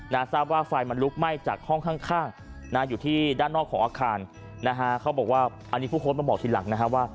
ทราบว่าไฟมันลุกไหม้จากห้องข้างข้างนะอยู่ที่ด้านนอกของอาคารนะฮะเขาบอกว่าอันนี้ผู้โพสต์มาบอกทีหลังนะฮะว่า